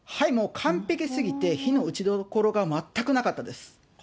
もう完璧すぎて、非の打ちどころが全くなかったです。